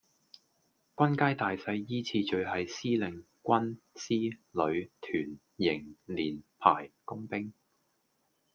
軍階大細依次序係司令,軍,師,旅,團,營,連,排,工兵